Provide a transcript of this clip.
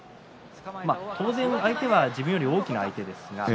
当然、相手は自分より大きな相手ですね。